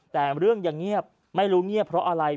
แต่เรื่องยังเงียบไม่รู้เงียบเพราะอะไร